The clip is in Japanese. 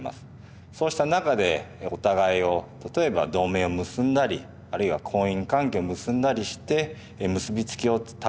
そうした中でお互いを例えば同盟を結んだりあるいは婚姻関係結んだりして結び付きを高めていく。